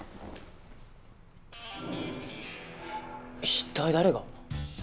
一体誰が。